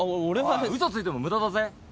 おい嘘ついても無駄だぜ。